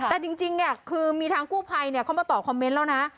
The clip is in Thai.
แต่จริงเนี่ยคือมีทางกู้ภัยเขามาตอบคอมเมนต์แล้วนะ